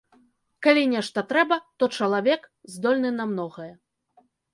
Калі нешта трэба, то чалавек здольны на многае.